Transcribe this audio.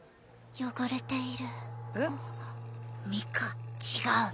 汚れている。